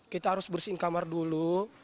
kita harus bersihin kamar dulu